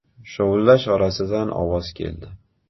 Shovullash orasidan ovoz keldi: